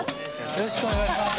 よろしくお願いします。